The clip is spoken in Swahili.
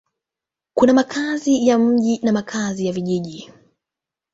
Kuna makazi ya mjini na makazi ya vijijini.